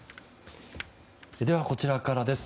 では、こちらからです。